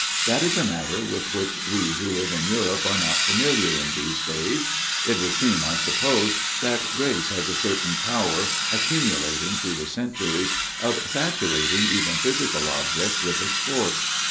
That is a matter with which we who live in Europe are not familiar in these days. It would seem, I suppose, that grace has a certain power, accumu lating through the centuries, of saturating even physical objects with its force.